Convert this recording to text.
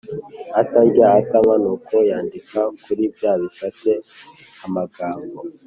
Atarya atanywa nuko yandika kuri bya bisate amagambo